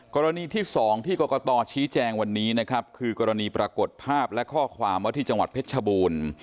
กรณีที่๒ที่กรกตชี้แจงวันนี้นะครับคือกรณีปรากฏภาพและข้อความว่าที่จังหวัดเพชรชบูรณ์